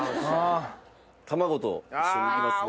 卵と一緒にいきますね。